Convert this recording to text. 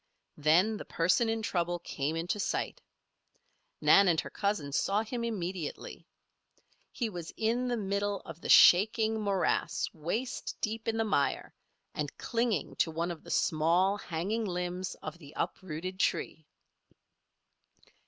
Then the person in trouble came into sight. Nan and her cousin saw him immediately. He was in the middle of the shaking morass waist deep in the mire, and clinging to one of the small hanging limbs of the uprooted tree.